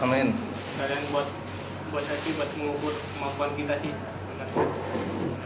kalian buat buat saya sih buat mengukur kemampuan kita sih